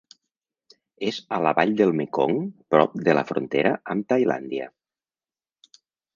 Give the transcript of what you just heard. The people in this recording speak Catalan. És a la vall del Mekong prop de la frontera amb Tailàndia.